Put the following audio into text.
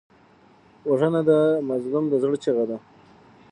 وژنه د مظلوم د زړه چیغه ده